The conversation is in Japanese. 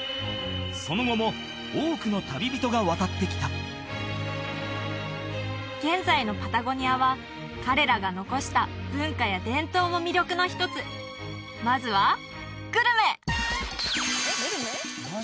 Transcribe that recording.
その後も多くの旅人が渡ってきた現在のパタゴニアは彼らが残した文化や伝統も魅力の一つまずはグルメ！